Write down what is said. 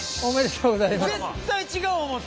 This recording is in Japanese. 絶対違う思た！